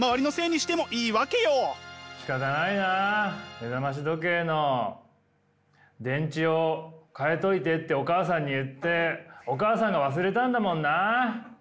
目覚まし時計の電池を替えといてってお母さんに言ってお母さんが忘れたんだもんな。